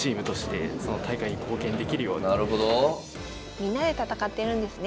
みんなで戦ってるんですね。